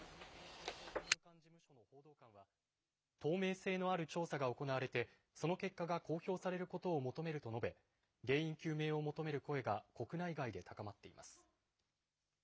国連難民高等弁務官事務所の報道官は透明性のある調査が行われてその結果が公表されることを求めると述べ原因究明を求める声が国内外で高まっています。